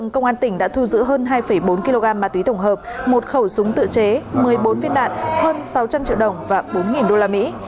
công an tỉnh đã thu giữ hơn hai bốn kg ma túy tổng hợp một khẩu súng tự chế một mươi bốn viên đạn hơn sáu trăm linh triệu đồng và bốn đô la mỹ